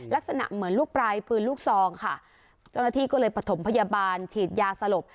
ลักษณะเหมือนลูกปลายปืนลูกซองค่ะเจ้าหน้าที่ก็เลยประถมพยาบาลฉีดยาสลบ